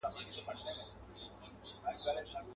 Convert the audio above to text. اشنا راسه پر پوښتنه رنځ مي وار په وار زیاتیږي.